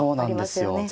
そうなんですよ。